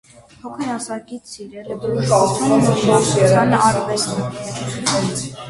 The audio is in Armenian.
Փոքր հասակից սիրել է բժշկությունն ու իմաստության արվեստը։